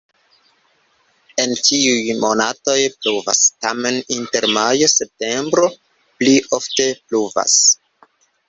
En ĉiuj monatoj pluvas, tamen inter majo-septempbro pli ofte pluvas.